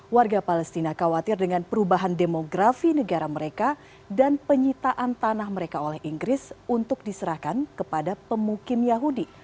warga palestina khawatir dengan perubahan demografi negara mereka dan penyitaan tanah mereka oleh inggris untuk diserahkan kepada pemukim yahudi